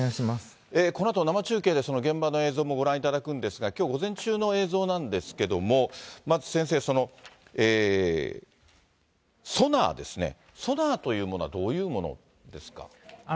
このあと生中継で、その現場の映像もご覧いただくんですが、きょう午前中の映像なんですけども、まず先生、ソナーですね、ソナーというものはどういうものですか。